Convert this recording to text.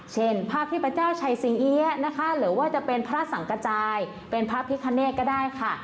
เช่นภาพเทพเจ้าชัยสิงเอี๊ยะนะคะหรือว่าจะเป็นพระสังกระจายเป็นพระพิคเนตก็ได้ค่ะ